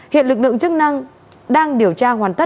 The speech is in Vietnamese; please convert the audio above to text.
hiện lực lượng chức năng đang điều tra hoàn tất